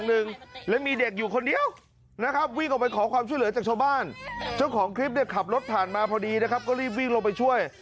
เท่าดีนะครับก็รีบวิ่งเราไปช่วย